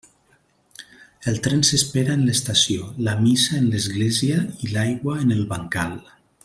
El tren s'espera en l'estació, la missa en l'església, i l'aigua en el bancal.